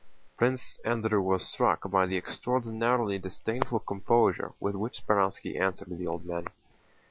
Prince Andrew was struck by the extraordinarily disdainful composure with which Speránski answered the old man.